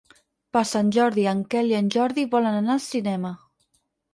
Per Sant Jordi en Quel i en Jordi volen anar al cinema.